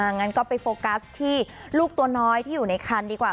งั้นก็ไปโฟกัสที่ลูกตัวน้อยที่อยู่ในคันดีกว่า